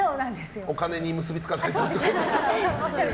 お金に結びつかないと。